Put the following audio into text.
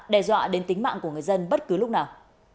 đe dọa đến tính mạng của người dân bất cứ lúc nào